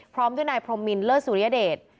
พร้อมด้วยนายพรมมินเลิศสุริยเดช